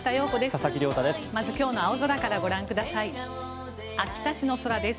佐々木亮太です。